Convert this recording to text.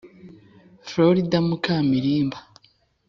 Florida muka Milimba